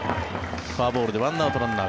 フォアボールで１アウトランナー